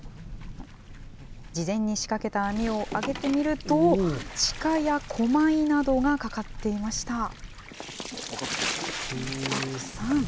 事前に仕掛けた網を上げてみると、チカやコマイなどがかかっていました。